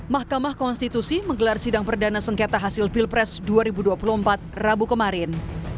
mahkamah konstitusi menggelar sidang perdana sengketa hasil pilpres dua ribu dua puluh empat rabu kemarin